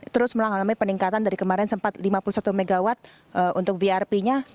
terus mengalami peningkatan dari kemarin sempat lima puluh satu mw untuk vrp nya